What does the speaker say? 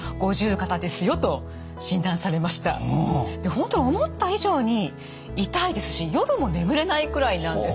本当に思った以上に痛いですし夜も眠れないくらいなんです。